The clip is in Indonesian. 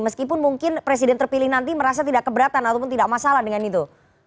meskipun mungkin presiden terpilih nanti merasa tidak keberatan ataupun tidak masalah dengan itu